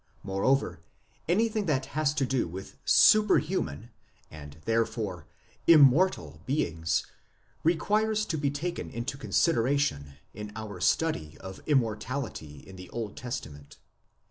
Moreover, anything that has to do with superhuman, and therefore immortal, beings requires to be taken into consideration in our study of Immortality in the Old Testament.